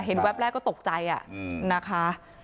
เห็นแว็บแรกก็ตกใจอ่ะอืมนะคะ